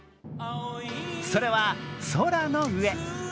それは空の上。